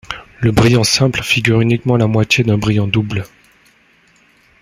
Le brillant simple figure uniquement la moitié d’un brillant double.